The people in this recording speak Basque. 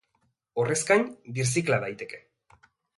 Horrez gain, birzikla daiteke.